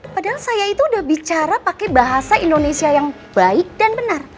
padahal saya itu udah bicara pakai bahasa indonesia yang baik dan benar